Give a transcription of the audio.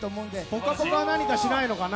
「ぽかぽか」は何かしないのかな？